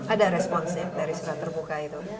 ada responsnya dari surat terbuka itu